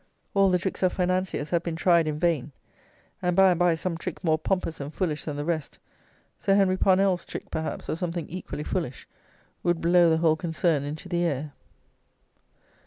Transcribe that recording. All the tricks of financiers have been tried in vain; and by and by some trick more pompous and foolish than the rest; Sir Henry Parnell's trick, perhaps, or something equally foolish, would blow the whole concern into the air.